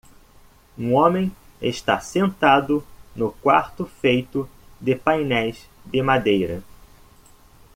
Um homem está sentado no quarto feito de painéis de madeira.